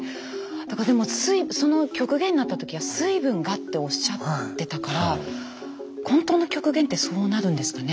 でもその極限になった時は水分がっておっしゃってたから本当の極限ってそうなるんですかね。